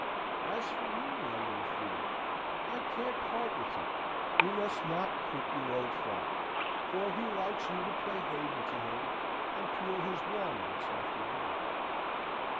As for you, my little Theo, I can't part with your. You must not quit your old father; for he likes you to play Haydn to him, and peel his walnuts after dinner.